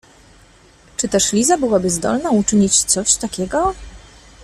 Czy też Liza byłaby zdolna uczynić coś takiego?